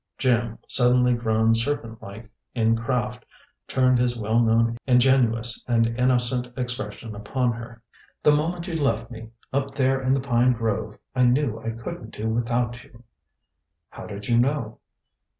Jim, suddenly grown serpent like in craft, turned his well known ingenuous and innocent expression upon her. "The moment you left me, up there in the pine grove, I knew I couldn't do without you." "How did you know?"